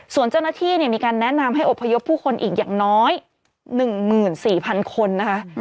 ส่วนเจ้าหน้าที่มีการแนะนำให้อบพยพผู้คนอีกอย่างน้อย๑๔๐๐๐คนนะคะ